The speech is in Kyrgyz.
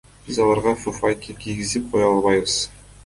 Биз аларга фуфайке кийгизип кое албайбыз.